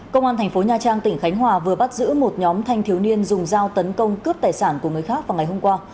công an thành phố nha trang tỉnh khánh hòa vừa bắt giữ một nhóm thanh thiếu niên dùng dao tấn công cướp tài sản của người khác vào ngày hôm qua